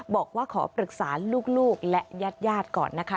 บอกว่าขอปรึกษาลูกและญาติก่อนนะคะ